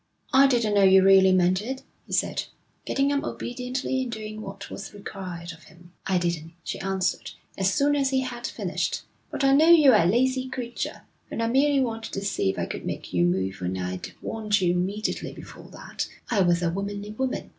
'I didn't know you really meant it,' he said, getting up obediently and doing what was required of him. 'I didn't,' she answered, as soon as he had finished. 'But I know you're a lazy creature, and I merely wanted to see if I could make you move when I'd warned you immediately before that I was a womanly woman.'